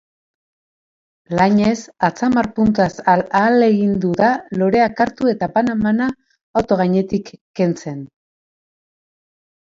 Lainez atzamar puntaz ahalegindu da loreak hartu eta banan-banan auto gainetik kentzen.